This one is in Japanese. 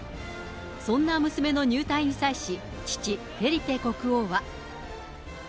そんな娘の入隊に際し、父、フェリペ国王は。